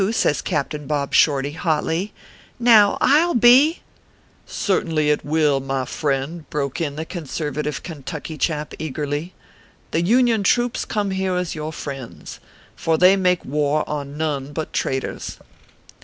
says Captain Bob Shorty, hotly, " now I ll be" " Certainly it will, my friend," broke in the con servative Kentucky chap, eagerly, " the Union troops come here as your friends ; for they make war on none but traitors."